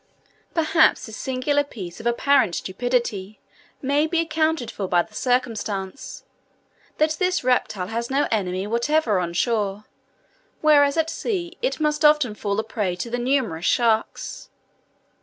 Perhaps this singular piece of apparent stupidity may be accounted for by the circumstance, that this reptile has no enemy whatever on shore, whereas at sea it must often fall a prey to the numerous sharks.